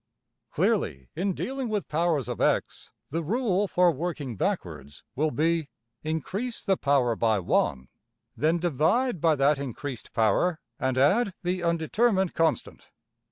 Clearly, in dealing with powers of~$x$, the rule for working backwards will be: Increase the power by~$1$, then divide by that increased power, and add the undetermined constant.